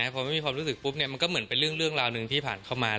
พอไม่มีความรู้สึกปุ๊บมันก็เหมือนเป็นเรื่องราวหนึ่งที่ผ่านเข้ามา